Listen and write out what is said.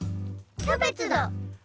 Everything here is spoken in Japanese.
・キャベツだ。